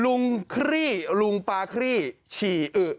ลุงครี่ลุงปลาครี่ฉี่อื้อ